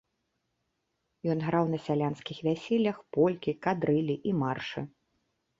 Ён граў на сялянскіх вяселлях полькі, кадрылі і маршы.